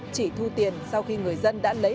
chỉ thu tiền sau khi người dân đã lấy